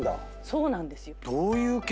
そうなんですよ。